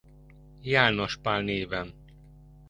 János Pál néven.